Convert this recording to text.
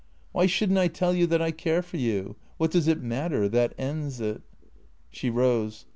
" Why should n't I tell you that I care for you ? What does it matter? That ends it." She rose.